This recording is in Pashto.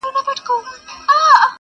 اوس به څوك رنګونه تش كي په قلم كي!.